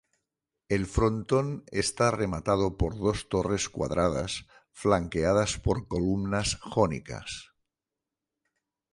El frontón está rematado por dos torres cuadradas flanqueadas por columnas jónicas.